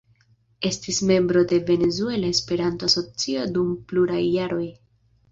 Estis membro de Venezuela Esperanto-Asocio dum pluraj jaroj.